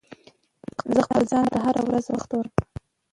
زه خپل ځان ته هره ورځ وخت ورکوم.